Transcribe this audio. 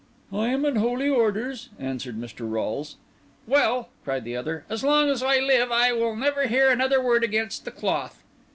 "I am in holy orders," answered Mr. Rolles. "Well," cried the other, "as long as I live I will never hear another word against the cloth!"